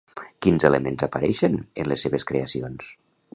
Quins elements apareixen en les seves creacions?